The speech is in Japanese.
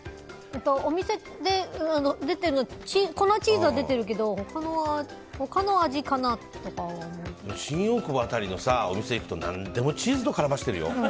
お店で出てるのは粉チーズは出てるけど新大久保辺りのお店に行くと何でもチーズと絡ませてるよ。